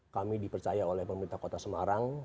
kami dipercaya oleh pemerintah kota semarang